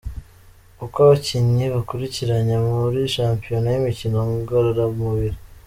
Uko abakinnyi bakurikiranye muri Shampiyona y’Imikino Ngororamubiri.